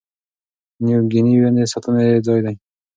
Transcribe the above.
نیو ګیني ونې ساتنې ځای دی.